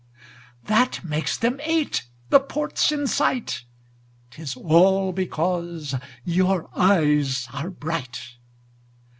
That makes them eight. The port's in sight 'Tis all because your eyes are bright!